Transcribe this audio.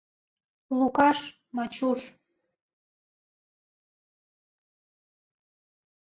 Лукаш, Мачуш.